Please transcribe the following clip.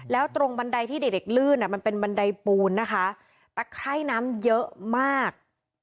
แล้วตรงบันไดที่เด็กเด็กลื่นอ่ะมันเป็นบันไดปูนนะคะตะไคร่น้ำเยอะมาก